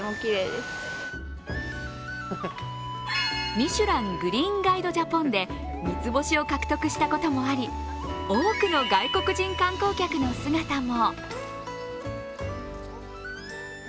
「ミシュラン・グリーンガイド・ジャポン」で三つ星を獲得したこともあり多くの外国人観光客の姿も。